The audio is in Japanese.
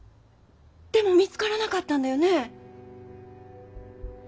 でも見つからなかったんだよね？